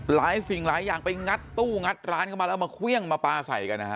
หลายสิ่งหลายอย่างไปงัดตู้งัดร้านเข้ามาแล้วมาเครื่องมาปลาใส่กันนะฮะ